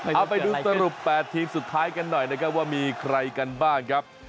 เอาไปดูสรุป๘ทีมสุดท้ายกันหน่อยนะครับว่ามีใครกันบ้างครับ